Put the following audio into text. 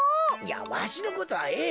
わしのことはええ。